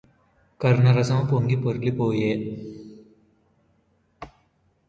కరుణరసము పొంగి పొరలిపోయె